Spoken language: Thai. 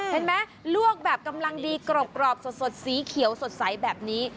เห็นไหมลวกแบบกำลังดีกรอบสดสีเขียวสดใสแบบนี้